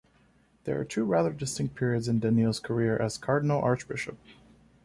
There are two rather distinct periods in Danneels' career as Cardinal-Archbishop.